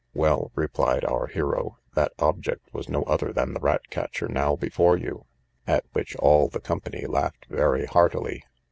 Well, replied our hero, that object was no other than the rat catcher now before you: at which all the company laughed very heartily.